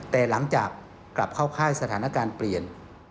แต่หลังจากกลับเข้าค่ายสถานการณ์เปลี่ยน